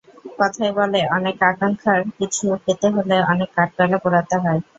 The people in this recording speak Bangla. কথায় বলে অনেক আকাঙ্ক্ষার কিছু পেতে হলে অনেক কাঠ কয়লা পোড়াতে হয়।